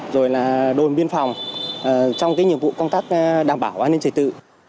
rồi là đồn biên phòng trong cái nhiệm vụ công tác đảm bảo an ninh trật tự